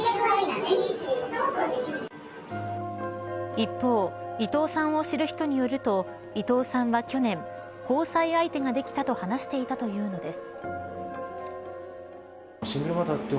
一方、伊藤さんを知る人によると伊藤さんは去年交際相手ができたと話していたというのです。